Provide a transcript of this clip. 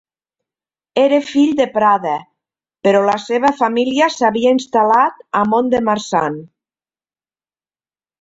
Era fill de Prada, però la seva família s'havia instal·lat a Mont-de-Marsan.